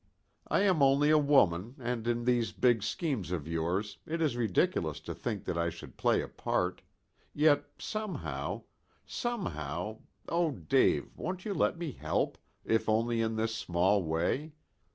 I am only a woman, and in these big schemes of yours it is ridiculous to think that I should play a part. Yet somehow somehow Oh, Dave, won't you let me help, if only in this small way?